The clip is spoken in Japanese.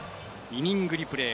イニングリプレー。